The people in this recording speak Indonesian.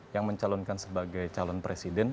yang mencalonkan sebagai calon presiden